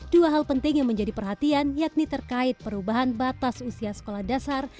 dua hal penting yang menjadi perhatian yakni terkait perubahan batas usia sekolah dasar